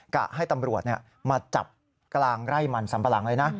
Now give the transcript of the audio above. กะให้ตำรวจมาจับกลางไร่มันสัมปะหลังเลยนะ